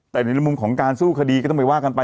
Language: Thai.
แต่ในมุมของการสู้คดีก็ต้องไปว่ากันไป